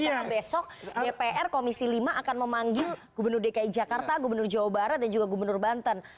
karena besok dprd komisi lima akan memanggil gubernur dki jakarta gubernur jawa barat dan juga gubernur banten